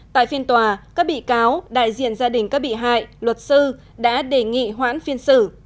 tại phiên tòa các bị cáo đại diện gia đình các bị hại luật sư đã đề nghị hoãn phiên xử